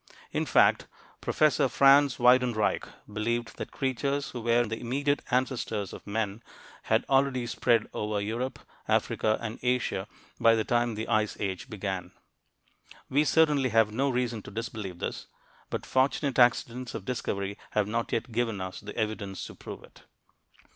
In fact, Professor Franz Weidenreich believed that creatures who were the immediate ancestors of men had already spread over Europe, Africa, and Asia by the time the Ice Age began. We certainly have no reason to disbelieve this, but fortunate accidents of discovery have not yet given us the evidence to prove it.